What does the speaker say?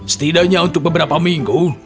setidaknya untuk beberapa minggu